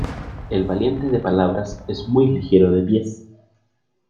El valiente de palabras es muy ligero de pies.